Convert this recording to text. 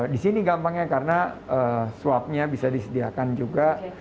di sini gampangnya karena swap nya bisa disediakan juga